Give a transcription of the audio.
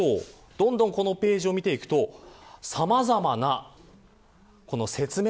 どんどんこのページを見ていくとさまざまな説明。